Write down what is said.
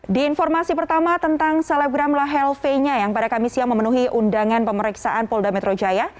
di informasi pertama tentang selebgram lahel v nya yang pada kamis siang memenuhi undangan pemeriksaan polda metro jaya